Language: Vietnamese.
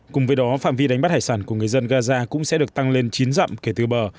cùng với đó phạm vi đánh bắt hải sản của người dân gaza cũng sẽ được tăng lên chín dặm kể từ bờ